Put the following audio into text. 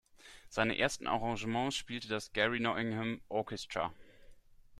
Seine ersten Arrangements spielte das Gary Nottingham Orchestra.